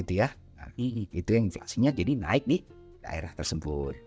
itu inflasinya jadi naik di daerah tersebut